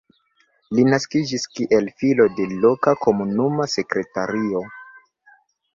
Li naskiĝis kiel filo de loka komunuma sekretario.